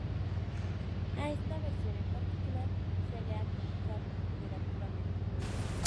A esta versión en particular, se la ha criticado negativamente.